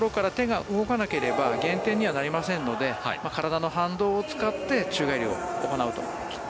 手が最初についたところから動かなければ減点になりませんので体の反動を使って宙返りを行うと。